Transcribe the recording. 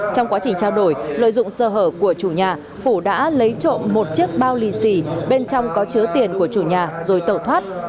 trong quá trình trao đổi lợi dụng sơ hở của chủ nhà phủ đã lấy trộm một chiếc bao lì xì bên trong có chứa tiền của chủ nhà rồi tẩu thoát